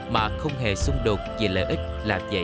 mà không hề xung đột về lợi ích làm vậy